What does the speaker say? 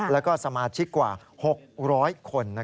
แล้วก็สมาชิกกว่า๖๐๐คน